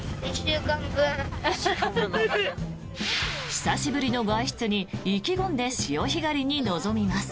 久しぶりの外出に意気込んで潮干狩りに臨みます。